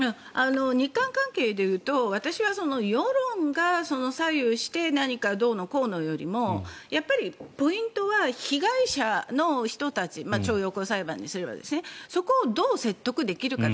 日韓関係で言うと私は世論が左右して何かどうのこうのよりもやっぱりポイントは被害者の人たち徴用工裁判にせよそこをどう説得できるか。